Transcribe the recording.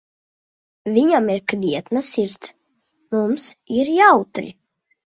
Viņam ir krietna sirds, mums ir jautri.